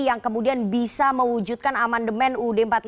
yang kemudian bisa mewujudkan amandemen ud empat puluh lima